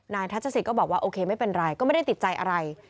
ทัชศิษย์ก็บอกว่าโอเคไม่เป็นไรก็ไม่ได้ติดใจอะไร